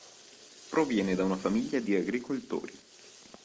Proviene da una famiglia di agricoltori.